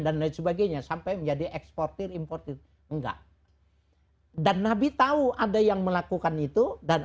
dan lain sebagainya sampai menjadi eksportir importir enggak dan nabi tahu ada yang melakukan itu dan